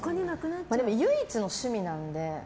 唯一の趣味なので。